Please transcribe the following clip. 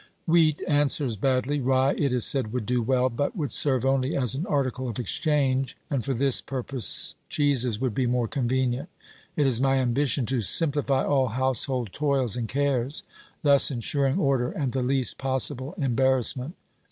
Wheat answers badly ; rye, it is said, would do well, but would serve only as an article of exchange, and for this purpose cheeses would be more convenient. It is my ambition to simplify all household toils and cares, thus ensuring order and the least possible embarrassment.